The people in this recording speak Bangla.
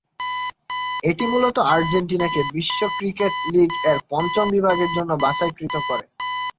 এটি মূলত আর্জেন্টিনাকে বিশ্ব ক্রিকেট লীগ এর পঞ্চম বিভাগের জন্য বাছাইকৃত করে।